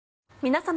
皆様。